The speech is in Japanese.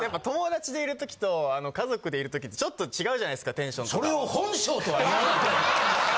友達でいるときと、家族でいるときって、ちょっと違うじゃないですか、テンションが。